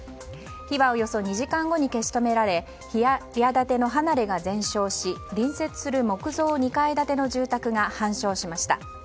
火はおよそ２時間後に消し止められ平屋建ての離れが全焼し隣接する木造２階建ての住宅が半焼しました。